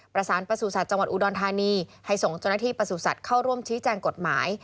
ประสานปสุทธิ์จังหวัดอุดรทานีให้ส่งจวนห้าที่ปสุทธิ์เข้าร่วมชิ้นแจ้งกฎหมาย